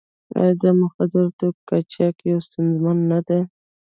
آیا د مخدره توکو قاچاق یوه ستونزه نه ده؟